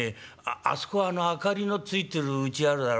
あそこあの明かりのついてるうちあるだろ？